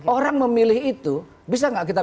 orang memilih itu bisa nggak kita